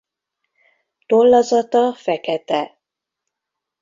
Tollazata fekete.